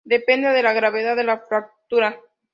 Depende de la gravedad de la fractura.